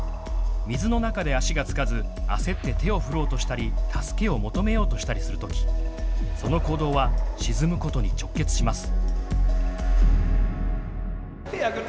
水の中で足が着かず焦って手を振ろうとしたり助けを求めようとしたりするときその行動は沈むことに直結します。